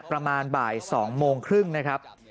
ประมาณบ่าย๒โมงครึ่งนะครับ